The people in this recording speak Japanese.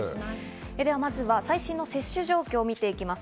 まずは最新の接種状況を見ていきます。